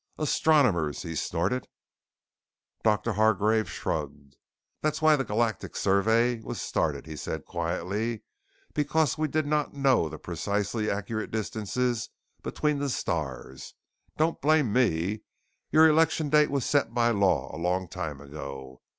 "Astronomers!" he snorted. Doctor Hargreave shrugged. "That's why the Galactic Survey was started," he said quietly. "Because we did not know the precisely accurate distances between the stars. Don't blame me. Your election date was set by law a long time ago.